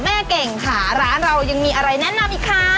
เก่งค่ะร้านเรายังมีอะไรแนะนำอีกคะ